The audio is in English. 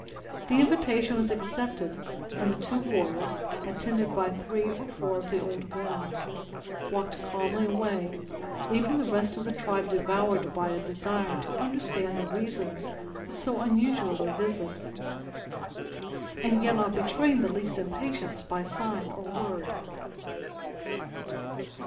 The invitation was accepted; and the two warriors, attended by three or four of the old men, walked calmly away, leaving the rest of the tribe devoured by a desire to understand the reasons of so unusual a visit, and yet not betraying the least impatience by sign or word.